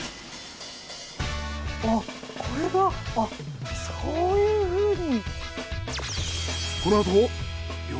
あっこれがそういうふうに。